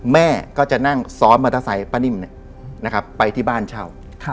แม่ก็จะนั่งซ้อนมอเตอร์ไซค์ป้านิ่มไปที่บ้านเช่า